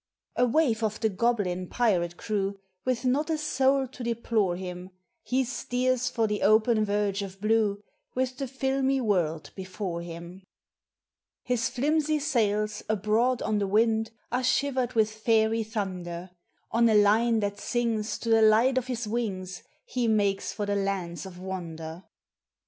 A waif of the goblin pirate crew, With not a soul to deplore him, He steers for the open verge of blue With the filmy world before him. 346 POEMS OF NATURE. His flimsy sails abroad on the wind Are shivered with fairy thunder; On a line that sings to the light of his wings He makes for the lands of wonder.